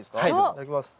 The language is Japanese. いただきます。